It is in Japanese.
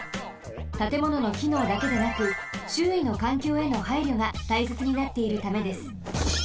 たてもののきのうだけでなくしゅういのかんきょうへのはいりょがたいせつになっているためです。